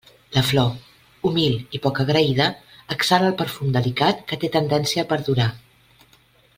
La flor, humil i poc agraïda, exhala el perfum delicat que té tendència a perdurar.